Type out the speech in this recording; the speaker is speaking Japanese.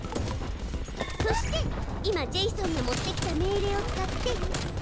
そして今ジェイソンが持ってきた命令を使って。